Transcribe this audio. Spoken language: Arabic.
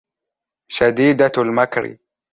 شَدِيدَةُ الْمَكْرِ